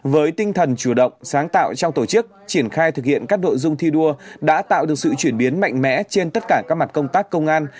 với tinh thần chủ động sáng tạo trong tổ chức triển khai thực hiện các đội dung thi đua đã tạo được sự chuyển biến mạnh mẽ trên tất cả các mặt công tác công an